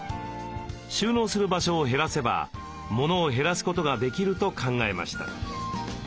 収納する場所を減らせばモノを減らすことができると考えました。